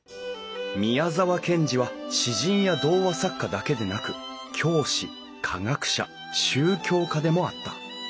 宮沢賢治は詩人や童話作家だけでなく教師科学者宗教家でもあった。